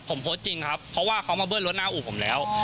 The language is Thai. ผมโพสต์จริงครับเพราะว่าเขามาเบิ้ลรถหน้าอู่ผมแล้ว